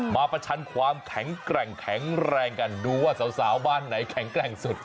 มาประชันความแข็งแรงกันดูว่าสาวบ้านไหนแข็งแรงสุด